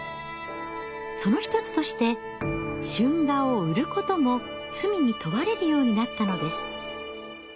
その一つとして春画を売ることも罪に問われるようになったのです。